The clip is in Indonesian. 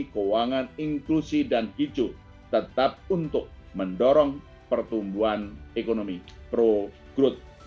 keuangan inklusi dan hijau tetap untuk mendorong pertumbuhan ekonomi pro growth